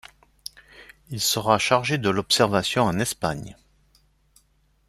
Il sera chargé de l'observation en Espagne.